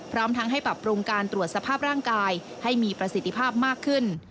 พร้อมทั้งให้ปรับปรุงการตรวจสภาพร่างกายให้มีประสิทธิภาพมากขึ้น